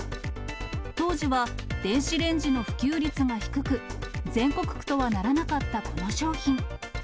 当時は電子レンジの普及率が低く、全国区とはならなかったこの商品。